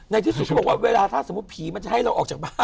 ในที่สุดเขาบอกว่าเวลาถ้าสมมุติผีมันจะให้เราออกจากบ้าน